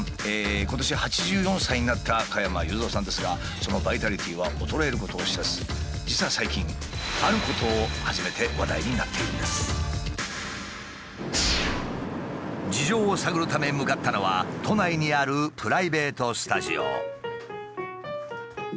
今年８４歳になった加山雄三さんですがそのバイタリティーは衰えることを知らず実は最近事情を探るため向かったのは都内にあるプライベートスタジオ。